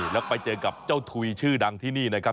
แล้วไปเจอกับเจ้าถุยชื่อดังที่นี่นะครับ